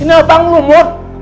ini apaan kamu mut